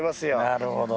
なるほど。